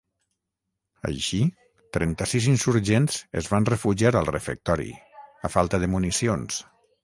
Així, trenta-sis insurgents es van refugiar al refectori, a falta de municions.